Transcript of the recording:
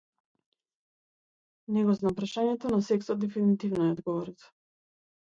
Не го знам прашањето, но сексот дефинитино е одговорот.